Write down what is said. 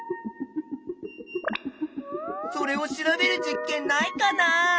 それを調べる実験ないかなあ？